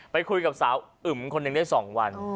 ไปคุยกับสาวอึมคนหนึ่งได้๒วัน